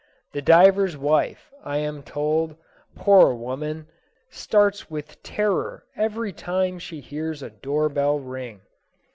The diver's wife, I am told poor woman! starts with terror every time she hears a door bell ring.